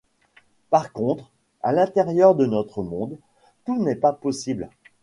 Par contre, à l'intérieur de notre monde, tout n'est pas possible.